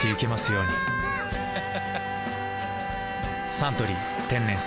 「サントリー天然水」